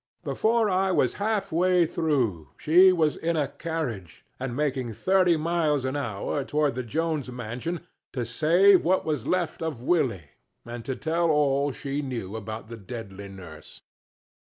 But that was not all lost. Before I was half way through she was in a carriage and making thirty miles an hour toward the Jones mansion to save what was left of Willie and tell all she knew about the deadly nurse.